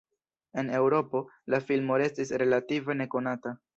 En Eŭropo, la filmo restis relative nekonata.